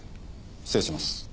失礼します。